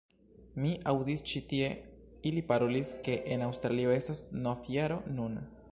Mi aŭdis ĉi tie ili parolis ke en Aŭstralio estas novjaro nun